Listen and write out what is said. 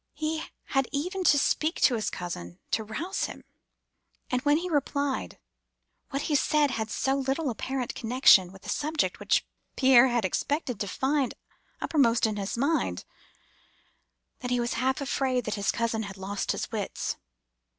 He had even to speak to his cousin to rouse him; and when he replied, what he said had so little apparent connection with the subject which Pierre had expected to find uppermost in his mind, that he was half afraid that his cousin had lost his wits.